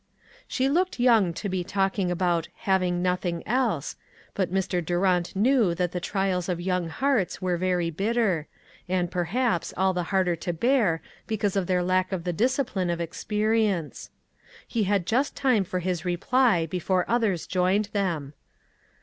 She looked young to be talking about "having nothing else," but Mr. Durant ,knew that the trials of young hearts were very bitter, and, perhaps all the harder to 132 ONE COMMONPLACE DAY. bear because of their lack of the discipline of experience. He had just time for his reply before others joined them.